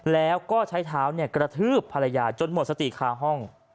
แล้วก็ใช้เท้ากระทืบภรรยาจนหมดสติคาห้อง